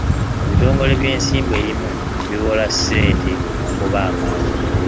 Ebitongole by'ensimbi ebimu biwola ssente ku magoba amangi.